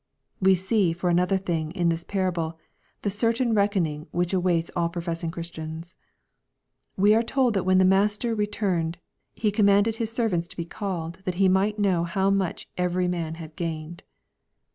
We see, for another thing, in this parable, the certain reckoning which awaits all professing Christians. We are told that when the master returned, he " commanded his servants to be called, that he might know how much every man had gained."